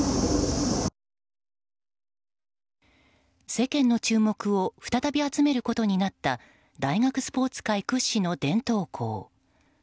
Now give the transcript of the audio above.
世間の注目を再び集めることになった大学スポーツ界屈指の伝統校。